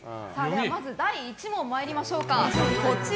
まず第１問、参りましょう。